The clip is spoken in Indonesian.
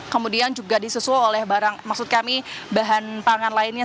kemudian juga disusul oleh bahan pangan lainnya